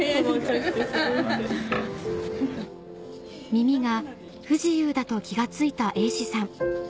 耳が不自由だと気が付いた瑛士さん